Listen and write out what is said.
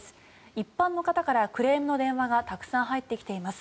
一般の方からクレームの電話がたくさん入ってきています。